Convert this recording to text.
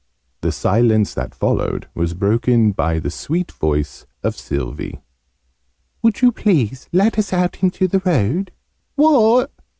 The silence that followed was broken by the sweet voice of Sylvie. "Would you please let us out into the road?" "What!